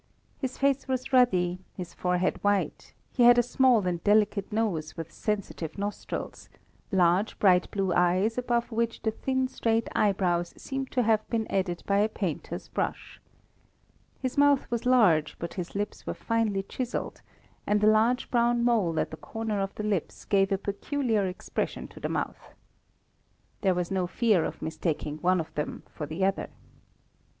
His face was ruddy, his forehead white, he had a small and delicate nose, with sensitive nostrils, large bright blue eyes, above which the thin straight eyebrows seemed to have been added by a painter's brush. His mouth was large, but his lips were finely chiselled, and a large brown mole at the corner of the lips gave a peculiar expression to the mouth. There was no fear of mistaking one of them for the other.